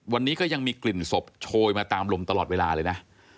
วันนี้ก็ยังมีกลิ่นศพโชยมาตามลมตลอดเวลาเลยนะ